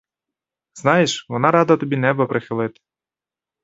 Знаєш, вона рада тобі неба прихилити.